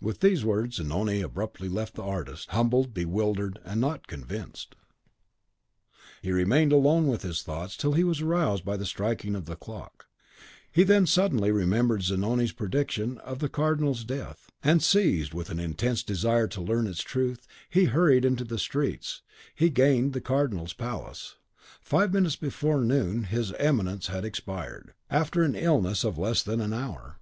With these words Zanoni abruptly left the artist, humbled, bewildered, and not convinced. He remained alone with his thoughts till he was aroused by the striking of the clock; he then suddenly remembered Zanoni's prediction of the Cardinal's death; and, seized with an intense desire to learn its truth, he hurried into the streets, he gained the Cardinal's palace. Five minutes before noon his Eminence had expired, after an illness of less than an hour.